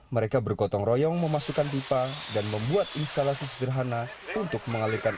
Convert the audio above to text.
mereka bergotong royong memasukkan pipa dan membuat instalasi sederhana untuk mengalirkan